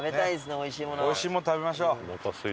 おいしいもの食べましょう。